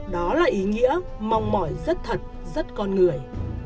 đó là ý nghĩa mong mỏi rất thật rất con người